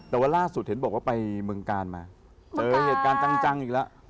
แต่ว่าล่าสุดเห็นบอกว่าไปเมืองกาลมาเจอเหตุการณ์จังอีกแล้ว